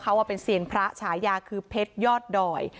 เขาเป็นเซียนพระฉายาคือเพชรยอดดอย